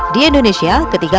di indonesia ketiga